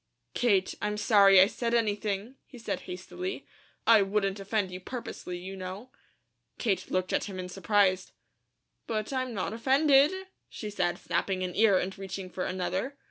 "Kate, I'm sorry I said anything," he said hastily. "I wouldn't offend you purposely, you know." Kate looked at him in surprise. "But I'm not offended," she said, snapping an ear and reaching for another.